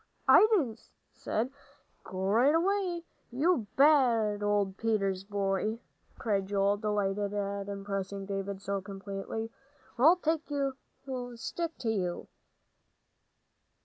"I'd 'a' said, 'Go right away, you bad old Peters boy.'" cried Joel, delighted at impressing David so completely, "'or I'll take a stick to you.'"